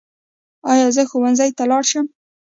ایا زه ښوونځي ته لاړ شم؟